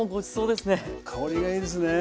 香りがいいですね。